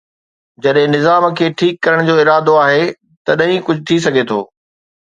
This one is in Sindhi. جڏهن نظام کي ٺيڪ ڪرڻ جو ارادو آهي، تڏهن ئي ڪجهه ٿي سگهي ٿو.